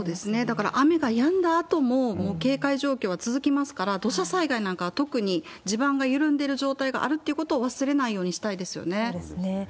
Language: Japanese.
だから、雨がやんだあとも、もう警戒状況は続きますから、土砂災害なんかは特に地盤が緩んでる状態があるということを忘れそうですね。